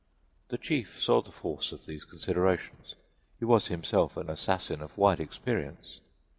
The chief saw the force of these considerations; he was himself an assassin of wide experience.